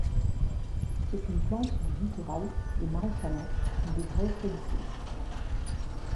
C'est une plante du littoral, des marais salants ou des grèves caillouteuses.